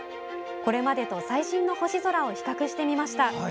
これまでと最新の星空を比較してみました。